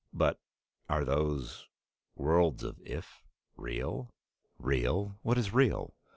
"But are those worlds of 'if' real?" "Real? What is real?